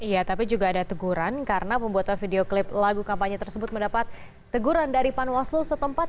iya tapi juga ada teguran karena pembuatan video klip lagu kampanye tersebut mendapat teguran dari panwaslu setempat